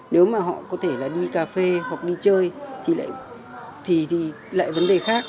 nếu mà họ có thể là đi cà phê hoặc đi chơi thì lại vấn đề khác